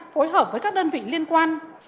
phối hợp với các đơn vị liên quan